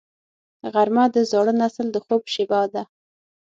غرمه د زاړه نسل د خوب شیبه ده